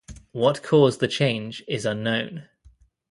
What caused the change is unknown.